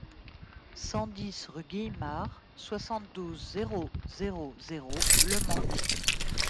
cent dix rue Guillemare, soixante-douze, zéro zéro zéro, Le Mans